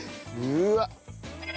うわっ！